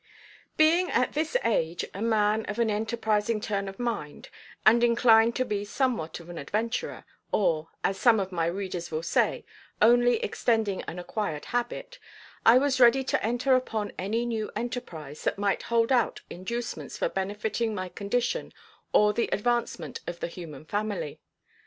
Being at this age a man of an enterprising turn of mind and inclined to be somewhat of an adventurer, or, as some of my readers will say, only extending an acquired habit, I was ready to enter upon any new enterprise that might hold out inducements for benefiting my condition or the advancement of the human family.